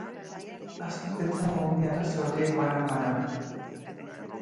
Azter ditzagun bi arazo horiek banan-banan.